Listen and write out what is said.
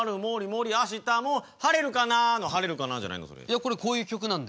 いやこれこういう曲なんで。